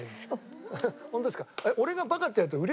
ホントですか？